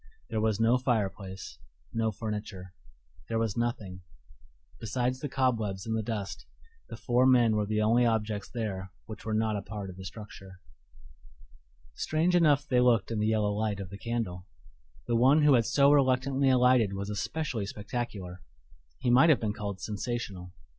There was no fireplace, no furniture; there was nothing: besides the cobwebs and the dust, the four men were the only objects there which were not a part of the structure. Strange enough they looked in the yellow light of the candle. The one who had so reluctantly alighted was especially spectacular he might have been called sensational.